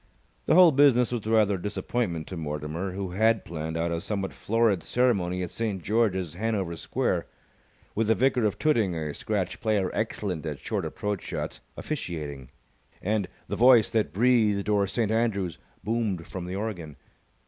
The whole business was rather a disappointment to Mortimer, who had planned out a somewhat florid ceremony at St. George's, Hanover Square, with the Vicar of Tooting (a scratch player excellent at short approach shots) officiating, and "The Voice That Breathed O'er St. Andrews" boomed from the organ.